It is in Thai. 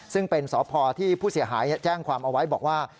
ซึ่งเป็นสพที่ผู้เสียหายแจ้งความเอาไว้บอกว่า